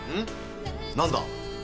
何だ！